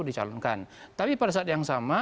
dicalonkan tapi pada saat yang sama